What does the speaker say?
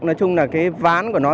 nói chung là cái ván của nó